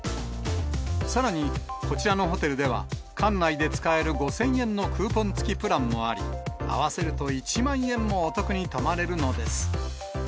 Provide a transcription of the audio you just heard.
さらに、こちらのホテルでは、館内で使える５０００円のクーポン付きプランもあり、合わせると１万円もお得に泊まれるのです。